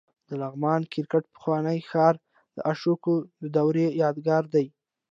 د لغمان د کرکټ پخوانی ښار د اشوکا د دورې یادګار دی